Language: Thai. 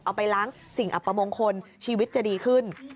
เอาไปล้างสิ่งอัปมงคลชีวิตจะดีขึ้น